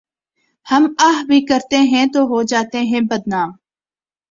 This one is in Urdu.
ہم آہ بھی کرتے ہیں تو ہو جاتے ہیں بدنام۔